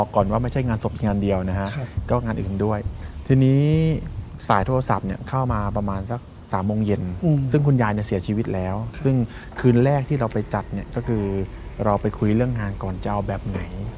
ก่อนว่าไม่ใช่งานสบทีงานเดียวนะครับก็งานอื่นด้วยทีนี้สายโทรศัพท์เนี่ยเข้ามาประมาณสัก๓โมงเย็นซึ่งคุณยายเนี่ยเสียชีวิตแล้วซึ่งคืนแรกที่เราไปจัดเนี่ยก็คือเราไปคุยเรื่องงานก่อนจะเอาแบบไหน